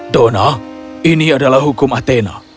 dona ini adalah hukum athena